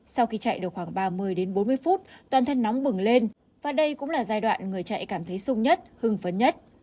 sau khi chạy được khoảng ba mươi đến bốn mươi phút toàn thân nóng bừng lên và đây cũng là giai đoạn người chạy cảm thấy sung nhất hưng phấn nhất